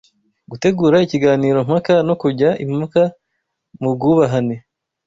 Gutegura ikiganiro mpaka no kujya impaka mu bwubahane